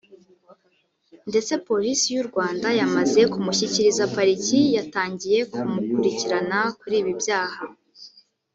ndetse Polisi y’u Rwanda yamaze kumushyikiriza Pariki yatangiye kumukurikirana kuri ibi byaha